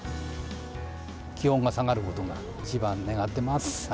気温が下がることが、一番願ってます。